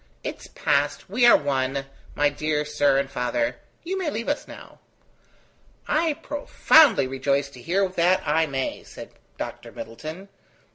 It is past, we are one, my dear sir and father. You may leave us now." "I profoundly rejoice to hear that I may," said Dr. Middleton.